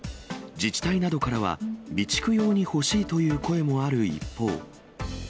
自治体などからは、備蓄用に欲しいという声もある一方。